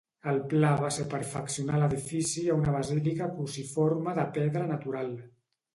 El pla va ser perfeccionar l'edifici a una basílica cruciforme de pedra natural.